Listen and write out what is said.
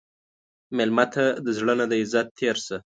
مېلمه ته د زړه نه د عزت تېر شه.